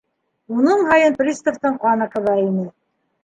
Уның һайын приставтың ҡаны ҡыҙа ине.